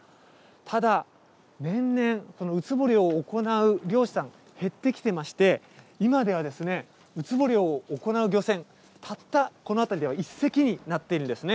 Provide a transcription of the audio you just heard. ただ、年々、ウツボ漁を行う漁師さん、減ってきていまして、今ではウツボ漁を行う漁船、たったこの辺りでは１隻になっているんですね。